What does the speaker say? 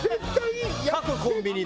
各コンビニで。